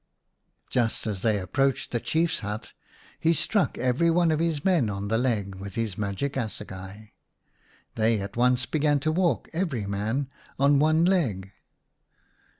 Just as they approached the Chiefs hut he struck every one of his men on the leg with his magic assegai. They at once began to walk every man on one leg.